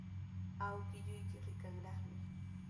Awkilluykiqa rikanraqmi.